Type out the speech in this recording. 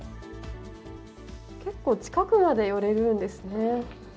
結構近くまで寄れるんですね。